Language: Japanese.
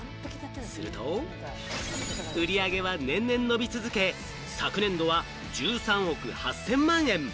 すると、売り上げは年々伸び続け、昨年度は１３億８０００万円。